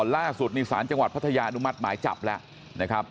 ล่าสุดนี่สารจังหวัดพัทยานุมัติหมายจับแล้วนะครับ